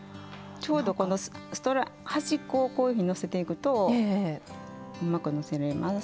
ちょうどこの端っこをこういうふうにのせていくとうまくのせれます。